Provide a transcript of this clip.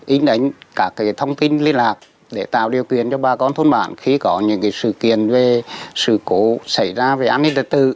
ý đến các thông tin liên lạc để tạo điều kiện cho ba con thôn bản khi có những sự kiện về sự cố xảy ra về án hình tật tự